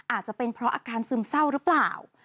อาจจะเป็นเพราะอาการซึมเศร้าหรือเปล่า